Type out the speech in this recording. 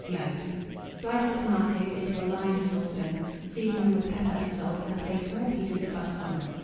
Mode. Slice the tomatoes into a lined saucepan; season them with pepper and salt, and place small pieces of butter on them.